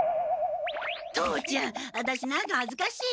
父ちゃんアタシ何かはずかしい。